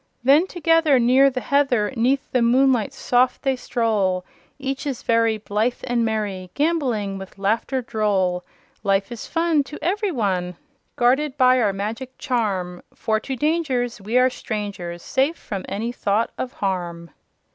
Then together Through the heather 'Neath the moonlight soft they stroll; Each is very Blithe and merry, Gamboling with laughter droll. Life is fun To ev'ry one Guarded by our magic charm For to dangers We are strangers, Safe from any thought of harm."